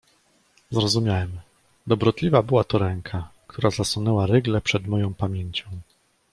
"Zrozumiałem: dobrotliwa była to ręka, która zasunęła rygle przed moją pamięcią."